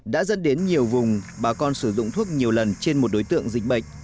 đã dẫn đến nhiều vùng bà con sử dụng thuốc nhiều lần trên một đối tượng dịch bệnh